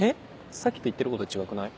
さっきと言ってること違くない？